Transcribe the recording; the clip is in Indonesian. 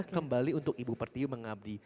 kembali untuk ibu pertiu mengabdi